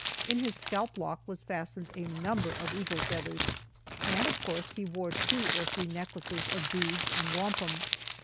In his scalp lock was fastened a number of eagle feathers, and of course he wore two or three necklaces of beads and wampum.